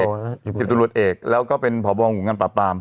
สิบตำรวจเอกสิบตำรวจเอกแล้วก็เป็นผอบองของงานปราบตาม